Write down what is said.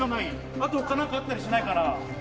あと、ほかなんかあったりしないかな。